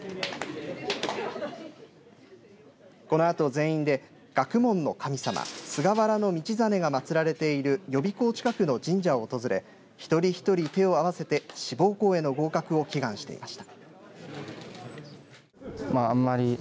このあと全員で学問の神様菅原道真が祭られている予備校近くの神社を訪れ一人一人、手を合わせて志望校への合格を祈願していました。